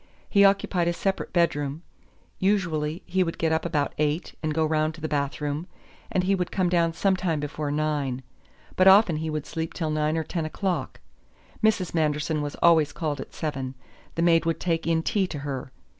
He occupied a separate bedroom. Usually he would get up about eight and go round to the bathroom, and he would come down some time before nine. But often he would sleep till nine or ten o'clock. Mrs. Manderson was always called at seven. The maid would take in tea to her.